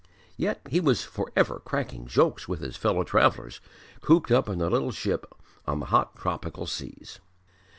Yet he was for ever cracking jokes with his fellow travellers, cooped up in the little ship on the hot tropical seas.